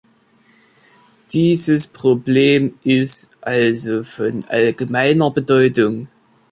Dieses Problem ist also von allgemeiner Bedeutung.